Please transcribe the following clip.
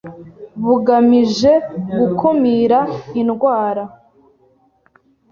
bugamije gukumira indwara